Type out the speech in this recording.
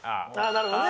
なるほどね。